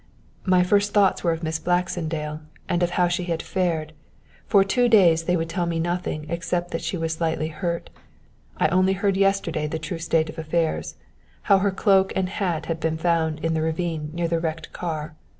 "My first thoughts were of Miss Baxendale and of how she had fared. For two days they would tell me nothing except that she was slightly hurt. I only heard yesterday the true state of affairs, how her cloak and hat had been found in the ravine near the Wrecked car.